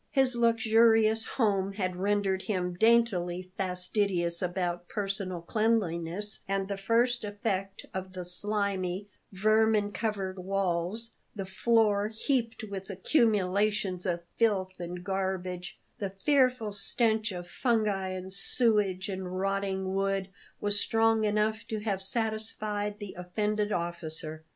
His luxurious home had rendered him daintily fastidious about personal cleanliness, and the first effect of the slimy, vermin covered walls, the floor heaped with accumulations of filth and garbage, the fearful stench of fungi and sewage and rotting wood, was strong enough to have satisfied the offended officer.